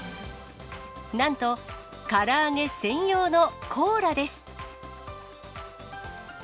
なんと、から揚げ専用のコーラです。